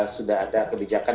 sudah ada kebijakan